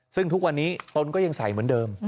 ซึ่งทุกวันนี้ตนก็ยังใส่เหมือนเดิม